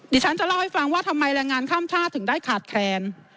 ดิฉันจะเล่าให้ฟังว่าทำไมแรงงานข้ามชาติถึงได้ขาดแคลน